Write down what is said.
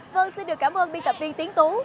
vâng xin được cảm ơn biên tập viên tiến tú